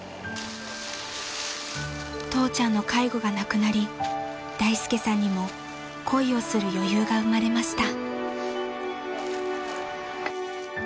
［父ちゃんの介護がなくなり大介さんにも恋をする余裕が生まれました］